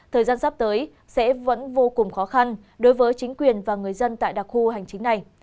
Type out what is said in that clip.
thời gian sắp tới sẽ vẫn vô cùng khó khăn đối với chính quyền và người dân tại đặc khu hành chính này